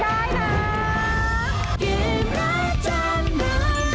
เกมรักจำนำ